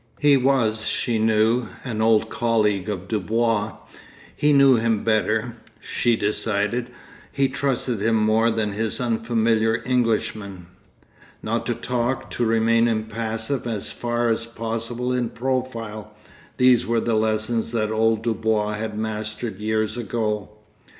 He was, she knew, an old colleague of Dubois; he knew him better, she decided, he trusted him more than this unfamiliar Englishman.... Not to talk, to remain impassive and as far as possible in profile; these were the lessons that old Dubois had mastered years ago.